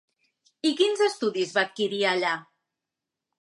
I quins estudis va adquirir allà?